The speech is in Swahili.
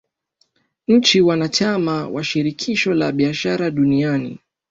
Nchi wanachama wa shirikisho la biashara duniani